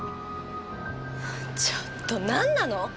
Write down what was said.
ちょっとなんなの？